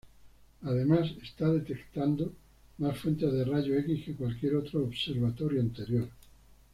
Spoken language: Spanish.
Además, está detectando más fuentes de rayos X que cualquier otro observatorio anterior.